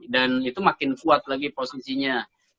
dan itu makin fuad lagi posisinya